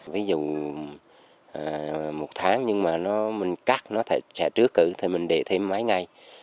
ví dụ một tháng nhưng mà mình cắt nó sẽ trước cử thì mình đệ thêm mấy ngày